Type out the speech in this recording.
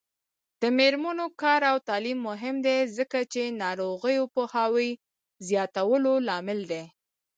د میرمنو کار او تعلیم مهم دی ځکه چې ناروغیو پوهاوي زیاتولو لامل دی.